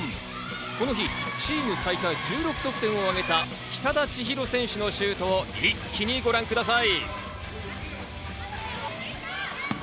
この日チーム最多１６得点を挙げた北田千尋選手のシュートを一気にご覧ください！